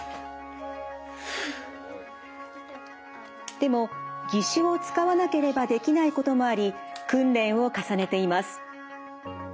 でも義手を使わなければできないこともあり訓練を重ねています。